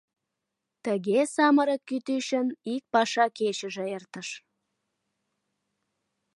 Тыге самырык кӱтӱчын ик паша кечыже эртыш.